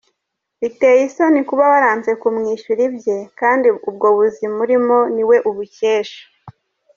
Biteye isoni kuba waranze kumwishyura ibye kandi ubwo buzima urimo niwe ubukesha”.